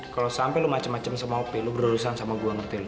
kalau sampai lo macem macem sama opi lo berurusan sama gue ngerti lo